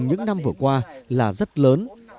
những năm vừa qua là rất lớn